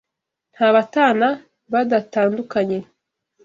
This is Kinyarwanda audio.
Nta batana badatandukanye